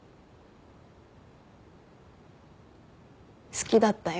好きだったよ。